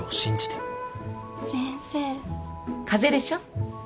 風邪でしょ？